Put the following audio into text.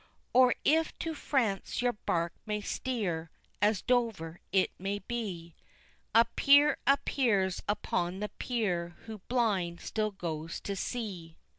Or, if to France your bark may steer, at Dover it may be, A peer appears upon the pier, who, blind, still goes to sea.